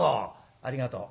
「ありがとう」。